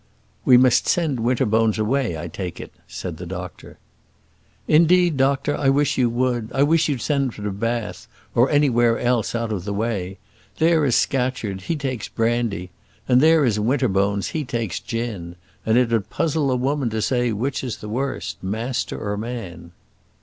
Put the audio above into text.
"We must send Winterbones away, I take it," said the doctor. "Indeed, doctor, I wish you would. I wish you'd send him to Bath, or anywhere else out of the way. There is Scatcherd, he takes brandy; and there is Winterbones, he takes gin; and it'd puzzle a woman to say which is worst, master or man."